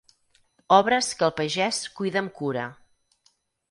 Obres que el pagès cuida amb cura.